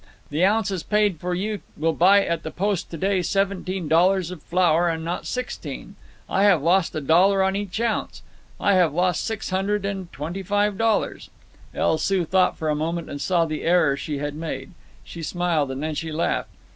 The ounces paid for you will buy at the post to day seventeen dollars of flour, and not sixteen. I have lost a dollar on each ounce. I have lost six hundred and twenty five dollars." El Soo thought for a moment, and saw the error she had made. She smiled, and then she laughed.